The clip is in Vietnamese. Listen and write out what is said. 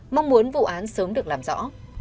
mong muốn vụ án sớm được làm rõ